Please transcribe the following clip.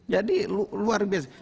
jadi luar biasa